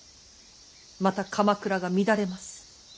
また鎌倉が乱れます。